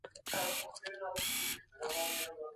پارلمان پټ قرارداد نه عملي کوي.